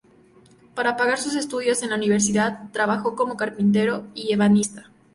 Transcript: Para pagar sus estudios en la universidad, trabajó como carpintero y ebanista.